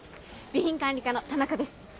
備品管理課の田中です。